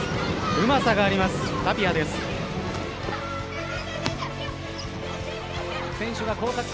うまさがあります、タピアです。